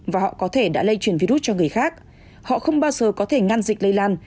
và họ có thể đã lây truyền virus cho người khác họ không bao giờ có thể ngăn dịch lây lan